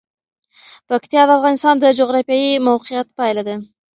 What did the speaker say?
پکتیا د افغانستان د جغرافیایي موقیعت پایله ده.